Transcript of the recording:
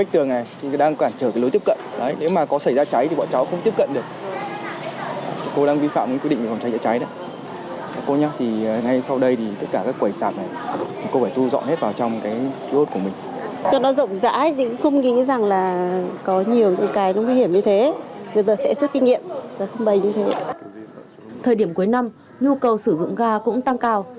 thời điểm cuối năm nhu cầu sử dụng ga cũng tăng cao